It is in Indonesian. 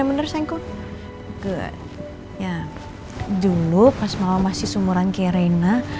ya dulu pas mama masih seumuran kayak rena